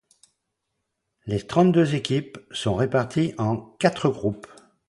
Les trente-deux équipes sont réparties en quatre groupes.